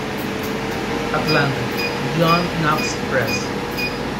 Atlanta: John Knox Press.